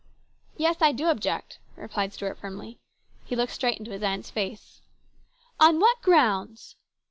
" Yes, I do object," replied Stuart firmly ; he looked straight into his aunt's face. " On what grounds